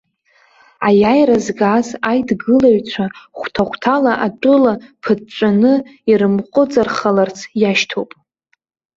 Аиааира згаз аидгылаҩцәа, хәҭа-хәҭала атәыла ԥыҵәҵәаны ирымҟәыҵархаларц иашьҭоуп.